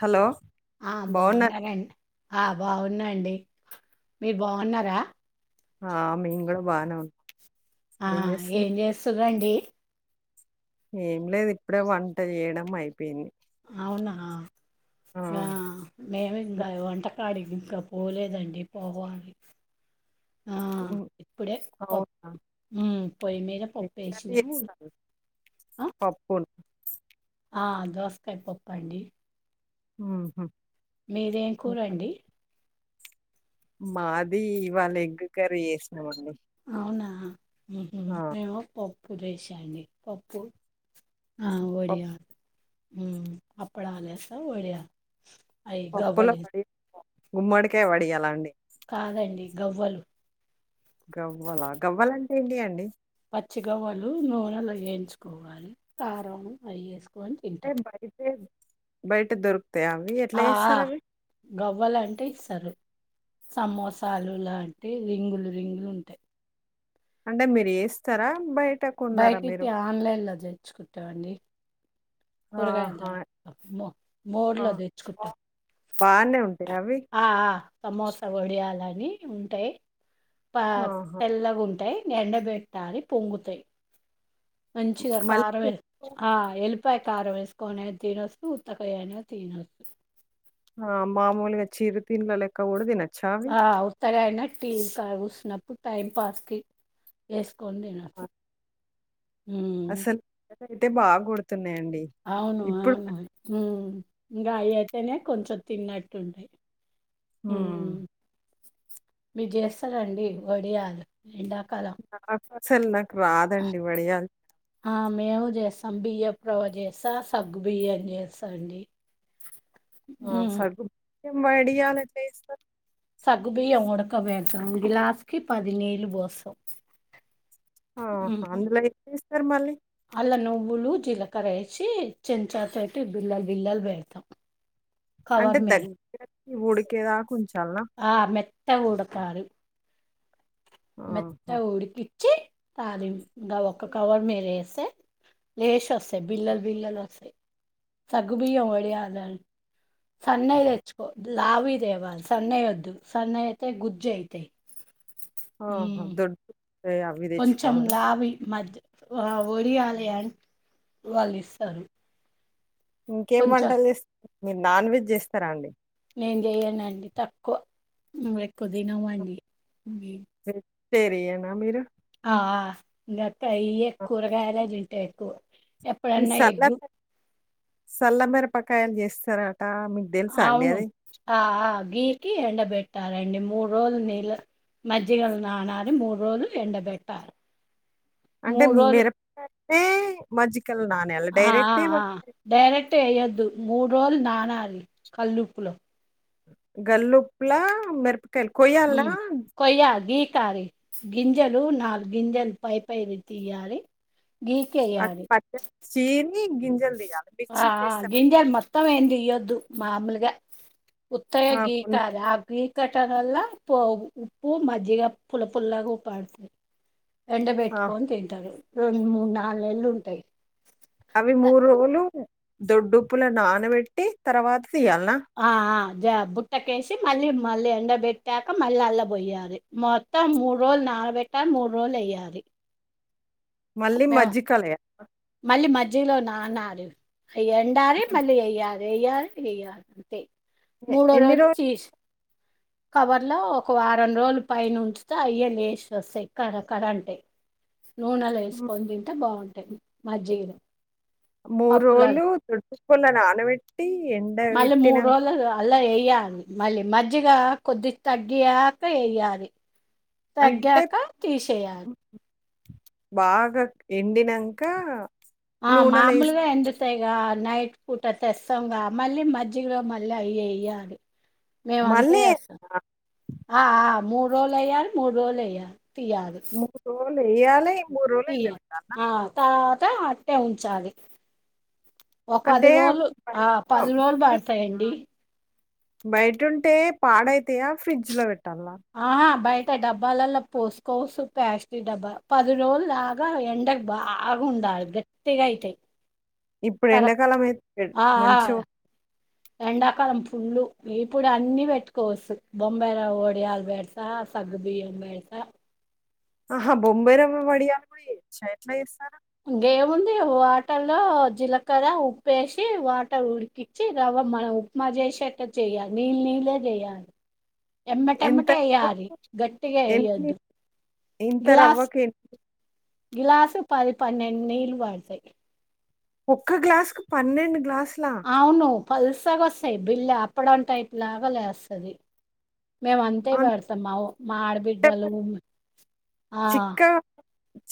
Hello ఆ బాగున్నారు బాగున్నారంండి ఆ బాగున్నాండి మీరు బాగున్నారా ఆ మ మీము కూడా బానే ఉ ఆ ఏం చేస్తుందండి ఏం లేదు ఇప్పుడే వంట చేయడం అయిపోయింది అవునా ఆ మేమి ఇంకా మీ- వంటకాడి ఇంకా పోలేదండి పోవాలి ఆ ఉమ్, ఇప్పుడే అవునా ఉ పొయ్యి మీద ఏం పప్ప కర్రీ వేసినా చేస్తారు పప్పును దోసకాయ పప్ప అండి హ మిది ఆమె కూర మాది వాళ్ళ ఎగ్ కర్రీ చేసినమండి అవునా మేమ పప్పు చేేశాడి పప్పు హా పప్ వడియాలు అప్పులు గవలు గుమ్మడికే వడియాల అండి కాదండి గవ్వలు గవ్వల గవ్వలంటే ఏంటి అండి పచ్చిికవ్వలు నూనెలు వేయించుకోవాలి కారం ఫ్రీ బయట బయట దరు ఆ గవ్వాలంటే ఇసారు సమోసాలు లాంటి రింగులు రింగులు ఉంటాయి అంటే మీరు చేస్తారా బయట కొన్నారా బయట మీరు ఆన్లైన్ లో తెర్చ్చుకుంటావండి కూరగాయ ఆహా మోర్ ఆ లో తెచ్చుకుంటే బానే ఉంటాయా అవి ఆ సమోసా వడియాలని ఉంటాయి ప ఆహా తెల్లగా ఉంటాయి ఎండబెట్టాలి పొంగుతాయి మంచిగా కారం మళ్ళీ వె వెలుపు కారం వేసుకొనేది తినొచ్చు ఉత్తకయ అనేది తినొచ్చు ఆ మామూలుగా చీరు తిన్ల లేక కూడా తినవు ఆ ఉత్తర అయిన టీవీ కా కూసినప్పుడు టైం పాస్ కి వ కొండనాసు అసలు అయితే బాగాగుడుతు అవును అవునుకాయయి అనే కొంచెం తిన్నట్టుంటయి హ్మ్ మీరు చేస్తారంండి వడియాలి ఎండా అసలు రాదండి వడియాలు ఆ మేము చేసం బియ రవ చేస్తా సగ్గు బియ్యన్ని చేస్తాండి ఆ సగుం భయం ట సగుబీయ ఉడక వేంటడం గ్లాస్కి పదిేళ బసం ఉ ఆహా అందులో ఏం ఏస్తారు మళ్ళీ అలా నవ్వులు జీలకర్ర వేసి చిన్నంచాతో అతే బిల్లలు బిల్లలు పెడతాం అంటే దగ్గరకి ఉడికేదాక్ ఉంచ్ ఆ మెత్త ఉడాకారు ఆహా మెత్త ఉడికిచ్చి తాలిమ్ ఇంగా ఒక కవర్ మీర్ ఏసే యేష్ వసయ్ బిల్లల్ బిల్లలూ వసయ్ సగ్గుబియ్యం వడియాలన్ సన్నయ్ ఎచ్చుకో లేవుయ్ దేవాల్ సన్నయ్ ఒద్దు సన్నాయ్ అయితే గుజ్ అయితయ్. ఆహా ద్దొడు కొంచం లావియ్ మాదయూ ఆ వడియాలియాన్ వాళ్ళు ఇసరు. ఇంకేం వంటల్ జేస్ మీరు నాన్ వెజ్ జేస్తారా అండి. నేన్ జేయనండి తక్కవ మీమ్ ఎక్కువ దినవండి మే హేర్ టేరియానా మీరు ఆ ఇంకాక అయ కూరగాయలు తింటాయి ఎక్కువ ఎప్పుడన్నా ఎగ్గు సల్ల మిరపకాయల్ జేస్తారా. అవును ఆ ఆ గీకి ఎండబెట్ ట్టారండి. మూడు రోజులు నీళ్ళ మజ్జిగల నానాలీ మూడు రోజులు ఎండబెట్టారు అంటే మిరప కతే మజ్జిక్ ఆ ఆ ఆ డైరెక్ట్ ఏయోందు. మూడ్ రోలూ నానాలీ కల్ ఉప్పులో గల్ ఉప్పులా మెరప్ ఉ కొయా గీకారీ గింజలు నాల్ గింజలు పై పైవి తీయాలి. అంటే గీకేయాలి. పచ్చడి చీని గింజలు తీయాలా? మిర్చి ఆ ఆ చేస్తాం. గింజల్ మొత్తం ఏమ్ దియోంద్ దు మామూలుగా ఉత్తయే ఆ! కొన్ని గీకాలి ఆ గీకాట్ టన్ అల్ల ఉప్పు మజ్జిగ పుల పుల్లాగా ఉపాడుతుది. ఎండ ఆ! బెట్టుకొని తింటరు. రెండు మూడ్ నాల్ నేల్ ఉంటాయ్. అవి మూడు రోలు దొడ్డుప్పుల నానవెట్టి తర్వాత్ ఆ ఆ జ బుట్టకేసి మళ్ళీమ్ మళ్ళీ ఎండబట్టాక మళ్ళీ అల్లబోయాలి. మొత్తం మూర్ రోలు నానబెట్టాలి మూర్ రోలు ఏయాలి. మళ్ళీ మజ్జిక లేయా మళ్ళీ మజ్జిగ లో నన్నాలి. హై ఎండాలి మజ్జిగ మళ్ళీ ఏయల్ వేయార్ వేయార్ అంతే మూడో ఎన్ని రోజు రోజులు? చీస్ కవర్లో ఒక వారం రోజుల పైనుంచితే ఆయే లేచోసయ్ కరకరా అంట్టయ్. నూనెలో హ్మ్. ఏసుకొని తింటే బావుంటాయ్ మజ్జిగలో మూర్ పప్పులలో రోలు దొడ్డు ఉప్పులా నానవెట్టి ఎన్ మళ్ళా మూర్ రోలలో అలా ఏయాలి. మ అల్లీ మజ్జిగ కొద్దిగ్ తగ్గియాక ఏయాలి. తగ్గాక తీచేయాల్ బాగాక్ ఎండినకా ఆ మాములుగా ఎండుతైగా నైట్ పూట తేసంగా మళ్ళీ మజ్జిగలో మళ్ళీ అయ్ ఏయాలి. మేము అంతే మళ్ళీ ఏసాం ఆ ఆ మూర్ రోలు ఏయాలి, మూర్ రోలు ఏయల్ తీయాది. వేయాలే తీయా ఆ తరవాత అట్టనే ఉంచాలి. ఓ అంటే పది అవి రోలు ఆ బయట పది రోలు బడతాయండి. బట్టుంటే పాడైతయా ఫ్రిడ్జ్ లో వెట్ ఆహా బై త డబ్బాలలో పోసుకోవసు ప్యాస్టీ డబ్బా పది రోలు లాగా ఎండక్ బాగ్ ఉండా ఆర్ గట్టిగైతాయ్. ఇప్పుడు పర ఎండాకాలం అయితే పెడ్ ఆ ఆ మంచిగా ఎడాకాలం ఫుల్ ఇప్పుడు అన్ని పెట్టుకోవచ్చు బొంబాయిరవ్వ వడియాలు పెడతా సగ్గు బియ్యం పెడ్ ఆహా బొంబైరవ్వ వడియాలు కూడా చేయొచ్చా ఎట్లా చేస్తారు గేముంది వాటర్ లో జీలకర ఉప్పేసి వాటర్ ఉడికించి రవ్వ మనం ఉప్మా చేసేట్ చెయాలి నీళ్ళే చెయాలి ఎంతకు [unintelligible] గట్టిగా ఎన్ని వేయొద్దు ఇంత రవ్వకేంటి గ్లాస్ పది పన్నెండు నీలు పడతాయి ఒక్క గ్లాస్ కు పన్నెండు గ్లాస్ అవును పలుసాగొస్థాయి బిల్లు అప్పడం టైపులాగా లేస్తది మేము అంతే అంటే పెడుతం మా ఆడబిడ్డలు మరి ఆ చిక్కగా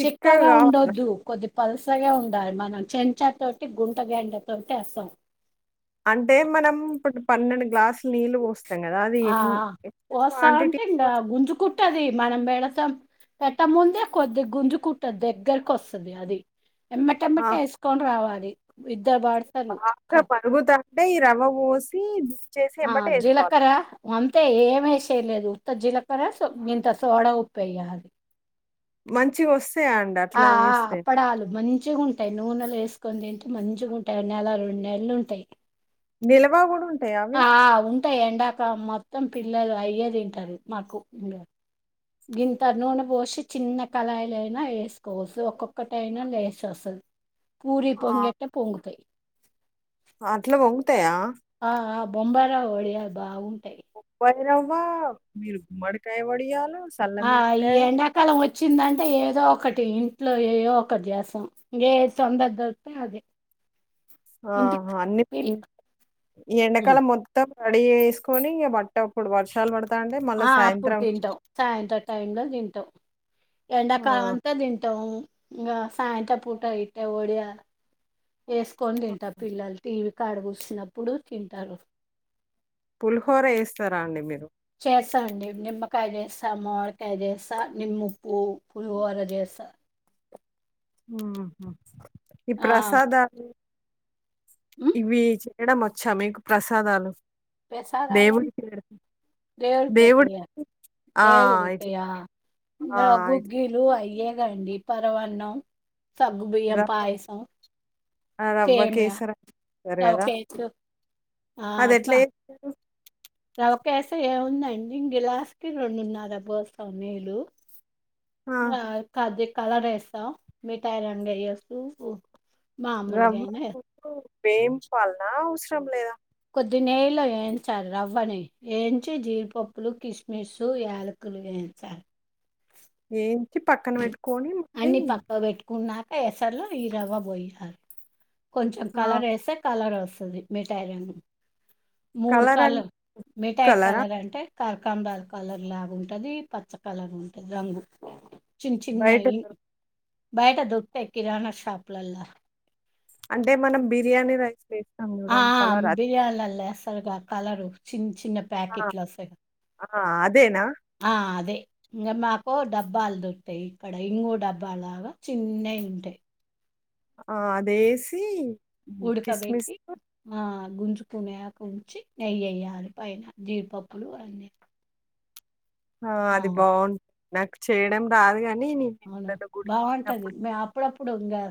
చిక్కగా ఉండొద్దు కొద్ అది పల్సగా ఉండాలి మనం చెంచా తోటి గుంట గండె తోటి అసాం అంటే మనం ఇప్పుడు పన్నెండు గ్లాసులు నీళ్ళు పోస్తు ఆ ఆ పోస్తా ఉంటే ఇంకా గుంజు కుట్టది మనం బేడ త్తం పెట్ట ముందే కొద్దిగా గుంజు కుట్టది దగ్గరకి వస్తది అది ఎమ్మటెమ్మట ఎసుకొని రావాలి ఇద్దరు పాడతారు కా అంటే ఈ రవ్వ వో స్ ఆ జీలకర్ర అంతే ఎమెస్లేదు ఇంత జీలకర స ఇంత సోడ ఉప్పేయాలి మంచిగ వస్ ఆ ఆ అప్పడాలు మంచిగా ఉంట్ ఉంటాయి నూనెలు ఎసుకొని తింటే మంచిగా ఉంటాయి నెల రెండు నెలలు ఉంటాయి నిలవ కూడ్ ఆ ఉంటాయి ఎండాక మొత్తం పిల్లలు అయ్యే తింటారు మాకు ఇంకా గింత నూనె పోసి చిన్న కళాయిలైనా ఎసుకోవచ్చు ఒక్కొక్కటైనా లేసొస్తది పూరి ఆ! పొంగట్ట పొంగతాయి అట్లా పొంగుతాయా ఆ ఆ బొంబాయి రవ్వ బాగువు బొంబాయిరవ్వ మీరు గుమ్మడికాయ వడియాలు సల్ల ఆ ఈ మిరపకాయలు ఎండాకాలం వచ్చిందంటే ఏదో ఒకటి టి ఇంట్లో ఏయో ఒకటి చేస్తాం ఎంతొందరగా దొరితే అదే ఇంటికి ఆహా అన్ని పిల్ ఈ హ్మ్. ఎడాకాలాం మొత్తం అడి వేసుకొని ఇంక బట్ట అప్పుడు వర్షాలు పడు ఆ అప్పుడు తింటాం సాయంత్రం టై లో తింటాం ఎండాకాలం ఆ! అంతా తింటాం ఇంకా సాయంత పూట ఇట్టే ఒడియ ఎసుకొని తింటారు పిల్లలు టీవీ కాడ కూసినప్పుడు తింటారు పులిహోర ఎస్తారా అండి మీరు చేస్త అండి నిమ్కాయ చేస్తా మాడికాయ చేస్తా నిమ్ ఉప్పు పులిహోర చేస్తా ఉమ్ హు ఈ ఆ ప్రసాదాలు ఉమ్ ఇవి చేయడం వచ్చా మీకు ప్రసాదాలు దేవుడికి పెడ్ దేవురికి పెట్టేయ ఆ! దేవుడికి ఇట్లా పెట్టేయ ఆ గుగ్గీలు అయ్య గండి పరవన్నం సగ్గు బియ్యం రవ్వ పాయసం ఆ రవ్వ సేమ్య కేసర్ అంటారు రవ్వ కదా కేసు ఆ అది ఎట్ల చేస్తారు రవ్వ కేసర ఏముందండి గలాస్కి రెండున్నారా బోస్తాం నీలు ఆ కది కలర్ వేస్తా మిఠాయి రంగు వేస్తూ రవ్వ [unintelligible] వేంపాలనా అవసరం లేదా ది నెయ్యిలో ఎంచాలి రవ్వని ఎంచి జీడిపప్పులు కిస్మిస్ యాలకులు వెన్ ఇచ్చా ఏంచి పక్కన పెట్టుకొని అన్ని ప్లేమ్ పక్కకు పెట్టుకున్నాక ఎసర్లో ఈ రవ్వ పోయాలి కొంచెం ఆ! కలర్ యేస్తే కలర్ వస్ వస్తది మిఠాయిలను మూడు కలర్ మిఠాయి కలరా? కలర్ అంటే కలకంరల కలర్ లాగా ఉంటది పచ్చ కలర్ ఉంటది రంగు చిన్న బయట చిన్నవి దొరుకు బయట దొరుకుతాయ్ కిరాణా షాప్లల్లా. అంటే మనం బిర్యానీ రైస్ వే ఆ ఆ బిర్యానీల లేస్తారుగా కలరు చిన్న చిన్న ఆ! ప్యాకెట్లు వస్తాయ్. ఆ! అదేనా? ఆ అదే ఇంకా మాకు డబ్బాలు దొరుకుతాయి ఇక్కడ ఇంగు డబ్బా లాగా చిన్నవి ఉంటాయ్. ఆ అదేసి హ్మ్. ఉడకబెట్టి కిస్‌మిస్‌తో ఆ గుంజుకునే అప్పునుంచి నెయ్యి యేయ్యాలి పైన జీడిపప్పులు అన్నీ. ఆ అది బాగున్ నాకు చేయడం రాదుగా అవునా బాగుంటది మే అప్పుడప్పుడు ఇప్పుడు ఇకా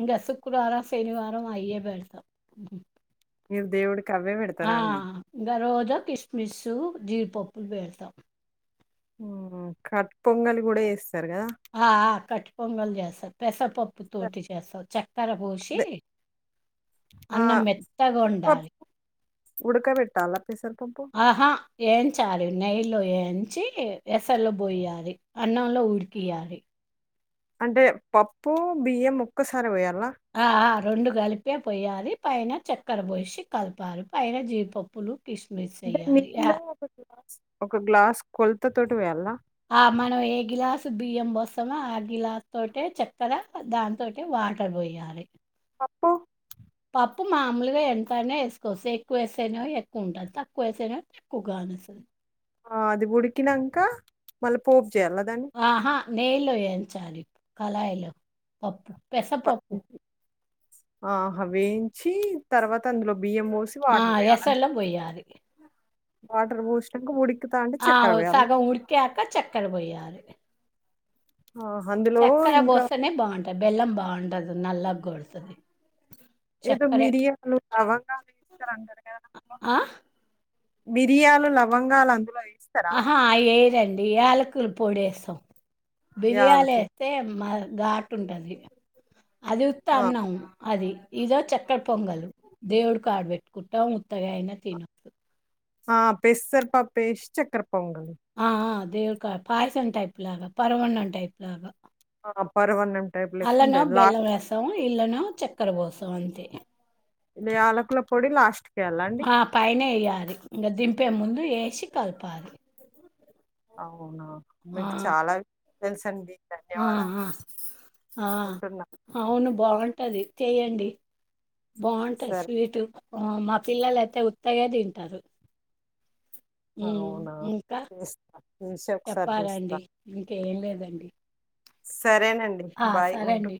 ఇంకా శుక్రవారం శనివారం అయ్యే పెడతాం. మీరు దేవుడికి అవే ఆ పెడతారా అండి? రోజు ఇగ కిస్మిసు జీడిపప్పు పెడతా ఉ కట్ పొంగలి కూడా వేస్ ఆ కట్టి పొంగలి చేస్తా పెసరపప్పు తోటి చేస్తాం చక్కెర పోసి. అదే ఆ అన్నం పెసరపప్ మెత్తగుండాలి. ఉడుక బెట్టాలా ఆహా యేన్ చాలి నెయ్యిలో యేంచి ఎసలు పోయాలి అన్నంలో ఉడికియాలి. అంటే పప్పు బియ్యం ఒక్కసారే పోయాలా ఆ ఆ రెండు కలిపి కే పోయాలి పైన చక్కెర పోసి కలపాలి పైన జీడిపప్పులు కిస్మిస్ అంటే ఎయ్యాలి. నీళ్ళో యాహ్! ఒక గ్లాస్ ఒక గ్లాస్ కొలత తోటి పోయాలా. ఆ మనం ఏ గ్లాసు బియ్యం పోస్తామో ఆ గ్లాస్ తోటే చక్కర దానితోటే వా వాటర్ పోయాలె పప్పు పప్పు మామూలుగా ఎంతైనా వేసుకోవస్సు ఎక్కువ వేస్తేనేమో ఎక్కువ ఉంటది, తక్కువ వేస్తే తక్కువ ఉంటది. ఆ అది ఉడికినంక మళ్ళ పోప్ చేయాల దాన్ని నేయ్యిలో యేంచాలి కళాయిలో పప్పు ప పెసపప్పు. ఆహా వేయించి తర్వాత అందులో బియ్యం పోసి ఆ! వాటర్ పోయాల అన్ ఎసర్లో బొయ్యాలి. వాటర్ పోసినంకా ఉడిక్ ఆ సగం ఉడికాక చక్కెర పోయాలె ఆహా అందులో చక్కెర ఇంకా పోస్తనే బావుంటది బెల్లం బావుండదు నల్లగోడతది. ఏదో మిరియాలు, లవంగాలు వేస్తరు అంటరు కదా అందులో. ఆ? మిర్యాలు, లవంగాలు అందులో యేసి ఆహా అయి యేయరండి యాలకుల పొడేస్తాం బిర్యాలు యాలకు. వేస్తే మా ఘాటు ఉంటది అది ఉత్త ఆ! అన్నాం అది ఇదో చెక్కర పొంగల్ దేవుడికి ఆడబెట్టుకుంటమ్ ఉత్తగా అయినా తిన్ ఆ పెసరు పప్పు ఎస్తే చక్కెర పొంగలి దేవుని కాడా పాయసం టైప్లాగా, పర్వన్నం టైప్ లాగా. ఆ ఆ పర్వన్నం అల్లనో బెల్లం వేస్తాం, ఇల్లనో చక్కెర పోస్తాం అంతే. దే యాలకుల పొడి లాస్ట్ ఆ పైన యేయ్యాలి ఇంకా దింపే ముందు యేసి కలపాలి. అవునా ఆ మీకు చాలా తెలుసు అండి. ఆ ఆ ఆ ఉంటున్నా. అవును. బావుంటుది చెయండి, బావుంటుంది సరే. స్వీటు. మా పిల్లలు అయితే ఉత్తగే తింటారు. హ్ అవునా! ఇంకా చేస్తా. చేసి ఒకసారి చూస్తా. చెప్పాలండి, ఇంకా ఏం లేదండి. సరేనండి ఆ బాయ్ సరే ఉంటూ అండి.